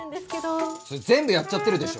それ全部やっちゃってるでしょ。